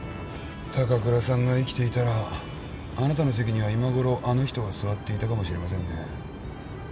高倉さんが生きていたらあなたの席には今ごろあの人が座っていたかもしれませんね。